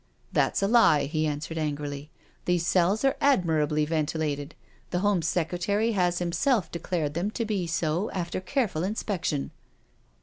'* "That's a lie," he answered angrily. "These cells are admirably ventilated— the Home Secretary has himself declared them to be so after careful inspection."